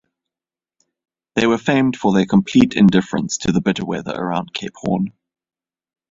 They were famed for their complete indifference to the bitter weather around Cape Horn.